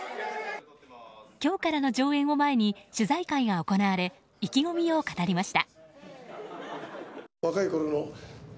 今日からの上演を前に取材会が行われ意気込みを語りました。